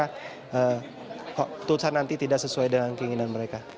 keputusan nanti tidak sesuai dengan keinginan mereka